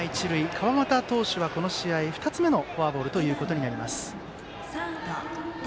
川又投手は、この試合２つ目のフォアボールとなります。